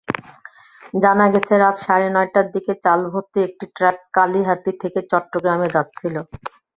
জানা গেছে, রাত সাড়ে নয়টার দিকে চালভর্তি একটি ট্রাক কালিহাতী থেকে চট্টগ্রামে যাচ্ছিল।